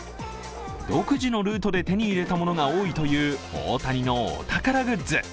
独自のルートで手に入れたものが多いという大谷のお宝グッズ。